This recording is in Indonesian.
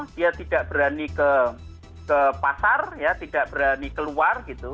dia tidak berani ke pasar ya tidak berani keluar gitu